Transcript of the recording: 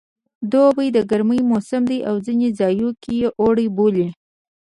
دوبی د ګرمي موسم دی او ځینې ځایو کې اوړی بولي